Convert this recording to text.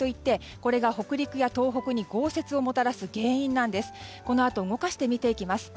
このあと動かして見ていきます。